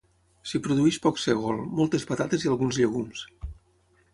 S'hi produeix poc sègol, moltes patates i alguns llegums.